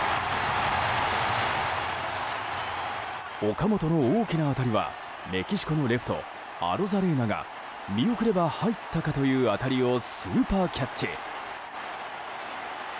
岡本の大きな当たりはメキシコのレフトアロザレーナが見送れば入ったかという当たりをスーパーキャッチ。